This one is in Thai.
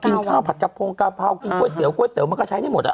กินข้าวผัดกระโพงก้าวเผากินก๋วยเตี๋ยวก๋วยเต๋๋วมันก็ใช้ได้หมด